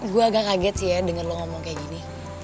gue agak kaget sih ya dengan lo ngomong kayak gini